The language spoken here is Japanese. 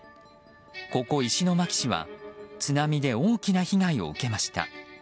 ここ石巻市は、津波で大きな被害を受けました。